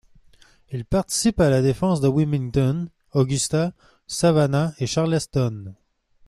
Il participe à la défense de Wilmington, Augusta, Savannah et Charleston.